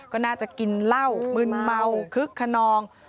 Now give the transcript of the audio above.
ก็น่าจะกินเหล้ามึนเมาคึกขนอง